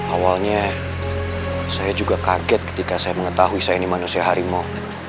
awalnya saya juga kaget ketika saya mengetahui saya ini manusia harimau